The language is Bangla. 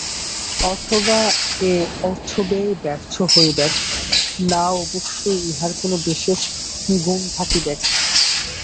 অথবা এ অর্থব্যয় ব্যর্থ হইবেক না অবশ্যই ইহার কোন বিশেষ গুণ থাকিবেক।